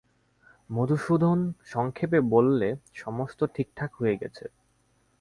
মধুসূদন সংক্ষেপে বললে, সমস্ত ঠিকঠাক হয়ে গেছে।